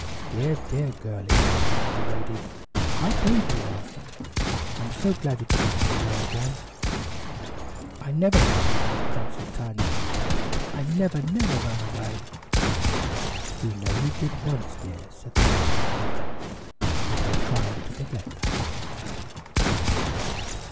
"Dear, dear girlie," said the little lady. "How brave you are! I'm so glad you didn't run away again." "I never ran away," answered Tiny. "I never, never ran away!" "We know you did once, dear," said the little lady; "but we're trying to forget that."